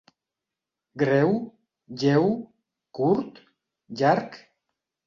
Greu? lleu? curt? llarg?